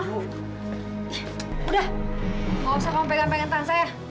udah gak usah kamu pegang pegang tangan saya